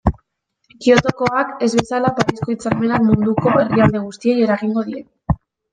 Kyotokoak ez bezala, Parisko hitzarmenak munduko herrialde guztiei eragingo die.